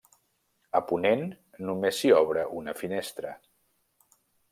A ponent només s'hi obre una finestra.